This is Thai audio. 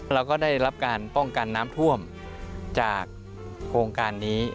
เราก็ได้รับการป้องกันน้ำท่วมจากโครงการนี้